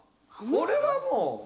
これはもう。